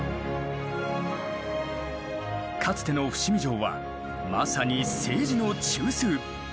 かつての伏見城はまさに政治の中枢。